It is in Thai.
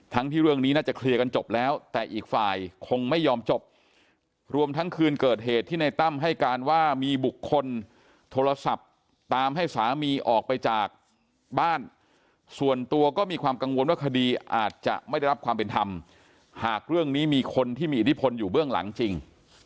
ที่เรื่องนี้น่าจะเคลียร์กันจบแล้วแต่อีกฝ่ายคงไม่ยอมจบรวมทั้งคืนเกิดเหตุที่ในตั้มให้การว่ามีบุคคลโทรศัพท์ตามให้สามีออกไปจากบ้านส่วนตัวก็มีความกังวลว่าคดีอาจจะไม่ได้รับความเป็นธรรมหากเรื่องนี้มีคนที่มีอิทธิพลอยู่เบื้องหลังจริง